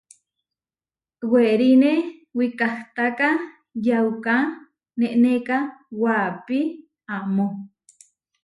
Weriné wikahtáka yauká nenéka waʼápi amó.